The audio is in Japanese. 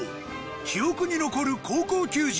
記憶に残る高校球児